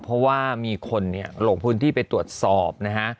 เพราะว่ามีคนแหล่งหลวงภูมิที่ไปตรวจสอบนะฮะ